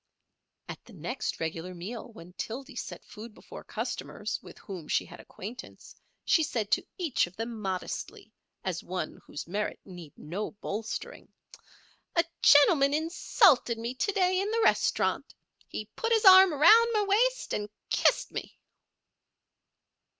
At the next regular meal when Tildy set food before customers with whom she had acquaintance she said to each of them modestly, as one whose merit needed no bolstering: "A gentleman insulted me to day in the restaurant. He put his arm around my waist and kissed me."